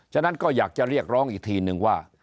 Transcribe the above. ฉะนั้นก็อยากจะเรียกร้องอีกทีนึงว่า